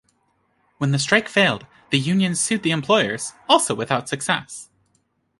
When the strike failed, the union sued the employers, also without success.